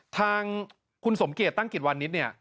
ทางคุณสมเกตตั้งกิจวันนี้